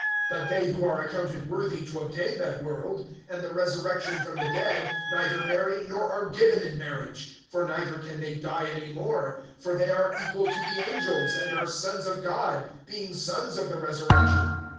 (35)But they who are accounted worthy to obtain that world, and the resurrection from the dead, neither marry, nor are given in marriage; (36)for neither can they die any more; for they are equal to the angels, and are sons of God, being sons of the resurrection.